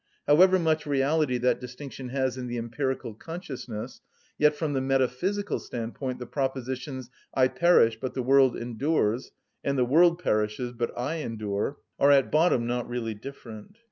However much reality that distinction has in the empirical consciousness, yet from the metaphysical standpoint the propositions, "I perish, but the world endures," and "The world perishes but I endure," are at bottom not really different.